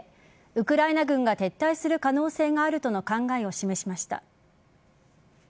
ウクライナ軍が撤退する可能性があるとの考えを示しました。